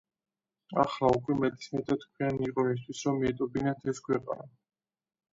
ახლა უკვე მეტისმეტად გვიანი იყო იმისათვის, რომ მიეტოვებინათ ეს ქვეყანა.